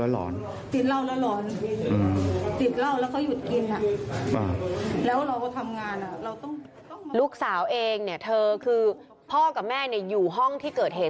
แล้วลูกสาวเองเนี่ยเธอคือพ่อกับแม่อยู่ห้องที่เกิดเหตุ